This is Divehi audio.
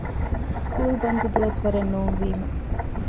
ސްކޫލް ބަންދު ދުވަސްވަރެއް ނޫންވީމަ